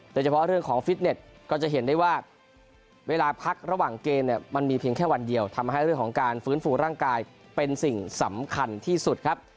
โดยเฉพาะเรื่องของฟิตเน็ตก็จะเห็นได้ว่าเวลาพักระหว่างเกมเนี่ยมันมีเพียงแค่วันเดียวทำให้เรื่องของการฟื้นฟูร่างกายเป็นสิ่งสำคัญที่สุดครับ